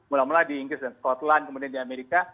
mula mula di inggris dan skotland kemudian di amerika